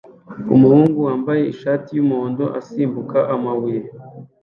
Umuhungu wambaye ishati yumuhondo asimbuka amabuye